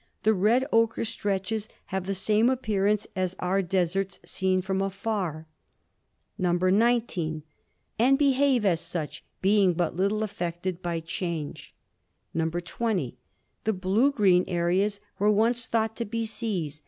The red ocher stretches have the same appearance as our deserts seen from afar, MARS 187 "(19) And behave as such, being but little affected by change. "(20) The blue green areas were once thought to be seas.